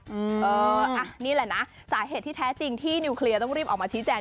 นี่แหละนะสาเหตุที่แท้จริงที่นิวเคลียร์ต้องรีบออกมาชี้แจง